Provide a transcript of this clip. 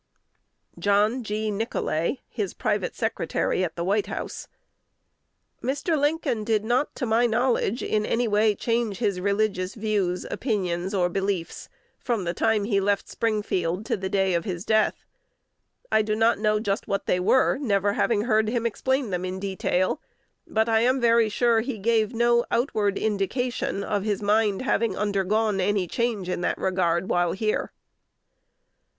John G. Nicolay, his private secretary at the White House: "Mr. Lincoln did not, to my knowledge, in any way change his religious views, opinions, or beliefs, from the time he left Springfield to the day of his death. I do not know just what they were, never having heard him explain them in detail; but I am very sure he gave no outward indication of his mind having undergone any change in that regard while here."